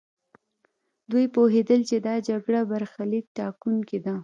دوی پوهېدل چې دا جګړه برخليک ټاکونکې ده.